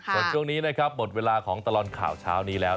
ส่วนช่วงนี้นะครับหมดเวลาของตลอดข่าวเช้านี้แล้ว